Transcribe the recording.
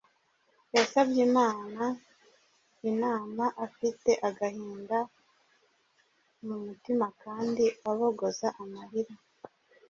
Yasabye Imana inama afite agahinda mu mutima kandi abogoza amarira.